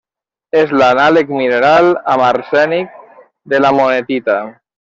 És l'anàleg mineral amb arsènic de la monetita.